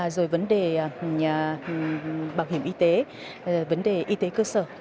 rồi vấn đề bảo hiểm y tế vấn đề y tế cơ sở